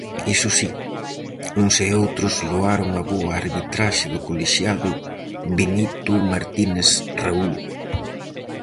Iso si, uns e outros loaron a boa arbitraxe do colexiado Benito Martínez Raúl.